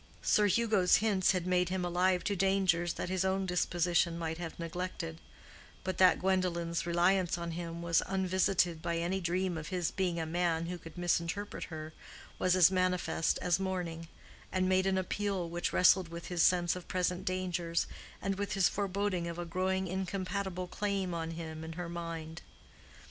Sir Hugo's hints had made him alive to dangers that his own disposition might have neglected; but that Gwendolen's reliance on him was unvisited by any dream of his being a man who could misinterpret her was as manifest as morning, and made an appeal which wrestled with his sense of present dangers, and with his foreboding of a growing incompatible claim on him in her mind.